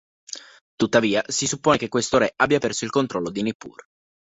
Tuttavia, si suppone che questo re abbia perso il controllo di Nippur.